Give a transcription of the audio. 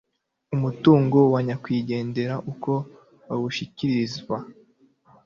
umutungo wa nyakwigendera uko bawushyikirizwa